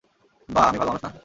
বা আমি ভালো মানুষ না?